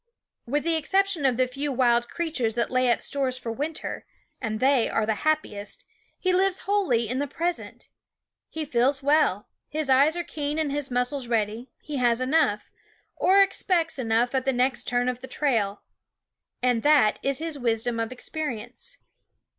With the exception of the few wild creatures that lay up stores for winter and they are the happiest he lives wholly in the present. He feels well; his eyes are keen and his muscles ready; he has enough, or expects enough at the next turn of the trail. And that is his wisdom of experience.